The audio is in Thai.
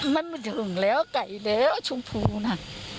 มันไม่ถึงแล้วไก่แล้วชมพูน่ะ